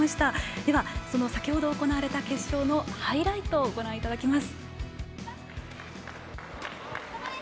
では、その先ほど行われた決勝のハイライトをご覧いただきます。